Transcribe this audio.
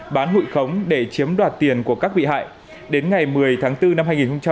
bán hụi khống để chiếm đoạt tiền của các bị hại đến ngày một mươi tháng bốn năm hai nghìn hai mươi